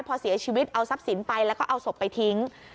พอเสียชีวิตเอาทรัพย์สินไปแล้วก็เอาศพไปทิ้ง